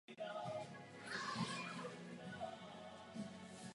V knize Společenstvo prstenu objeví společenstvo jeho náhrobek.